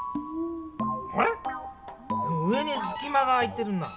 あれ⁉上にすきまが空いてるな。